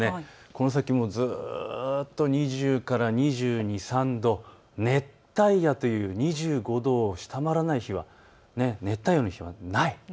この先もずっと２０から２２、２３度、熱帯夜という２５度を下回らない日はない。